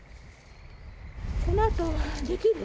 このあとできる？